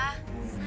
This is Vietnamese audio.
alo chị à